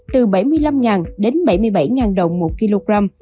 từ bảy mươi năm đến bảy mươi bảy đồng một kg